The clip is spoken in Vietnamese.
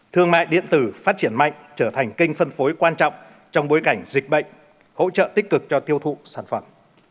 thương mại điện tử phát triển mạnh trở thành kênh phân phối quan trọng trong bối cảnh dịch bệnh hỗ trợ tích cực cho tiêu thụ sản phẩm